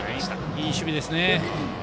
いい守備ですね。